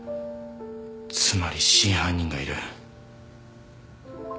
つまり真犯人がいる。